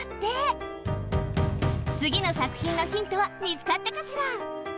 つぎのさくひんのヒントはみつかったかしら！？